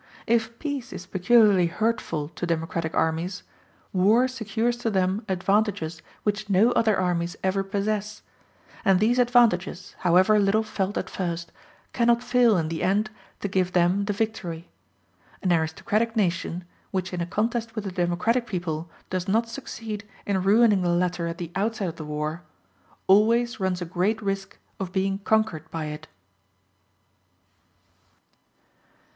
If peace is peculiarly hurtful to democratic armies, war secures to them advantages which no other armies ever possess; and these advantages, however little felt at first, cannot fail in the end to give them the victory. An aristocratic nation, which in a contest with a democratic people does not succeed in ruining the latter at the outset of the war, always runs a great risk of being conquered by it.